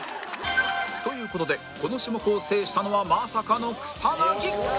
という事でこの種目を制したのはまさかの草薙！